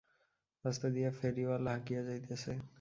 রাস্তা দিয়া ফেরিওয়ালা হাঁকিয়া যাইতেছে।